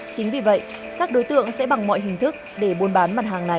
chính vì vậy các đối tượng sẽ bằng mọi hình thức để buôn bán mặt hàng này